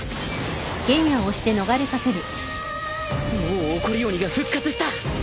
もう怒り鬼が復活した！